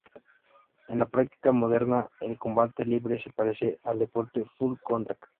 En la práctica moderna, el combate libre se parece al deporte del full contact.